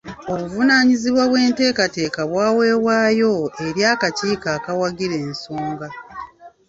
Obuvunaanyizibwa bw'enteekateeka bwaweebwayo eri akakiiko akawagira ensonga.